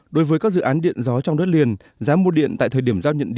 đối với các dự án điện gió nối lưới quy định về giá điện đối với dự án điện gió nối lưới